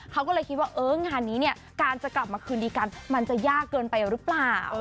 เขาก็เลยคิดว่าเอองานนี้เนี่ยการจะกลับมาคืนดีกันมันจะยากเกินไปหรือเปล่า